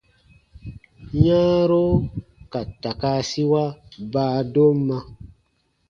Yãaro ka takaasiwa baadomma.